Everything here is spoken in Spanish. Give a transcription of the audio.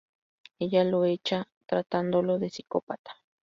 Ella lo echa tratándolo de psicópata.